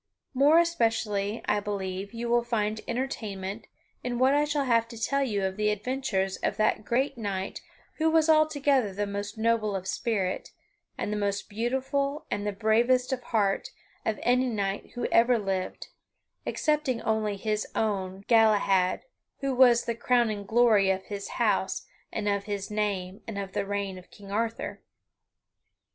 More especially, I believe, you will find entertainment in what I shall have to tell you of the adventures of that great knight who was altogether the most noble of spirit, and the most beautiful, and the bravest of heart, of any knight who ever lived excepting only his own son, Galahad, who was the crowning glory of his house and of his name and of the reign of King Arthur.